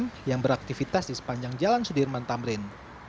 yang mencabutkan aktivitas di sepanjang jalan sudirman tamrin